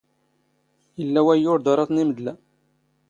ⵉⵍⵍⴰ ⵡⴰⵢⵢⵓⵔ ⴹⴰⵕⴰⵜ ⵏ ⵉⵎⴷⵍⴰ.